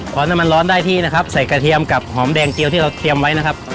พอน้ำมันร้อนได้ที่นะครับใส่กระเทียมกับหอมแดงเจียวที่เราเตรียมไว้นะครับ